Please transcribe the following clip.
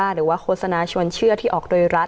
หรือว่าโฆษณาชวนเชื่อที่ออกโดยรัฐ